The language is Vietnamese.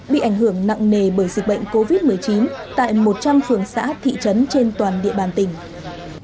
bị ảnh hưởng nặng nề bởi dịch bệnh covid một mươi chín tại một trăm linh phường xã thị trấn trên toàn địa bàn tỉnh